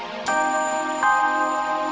apa yang akan terjadi